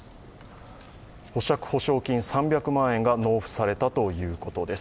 保釈保証金３００万円が納付されたということです。